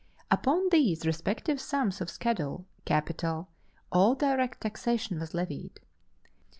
Upon these respective sums of schedule capital all direct taxation was levied.